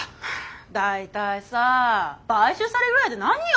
大体さ買収されるぐらいで何よ。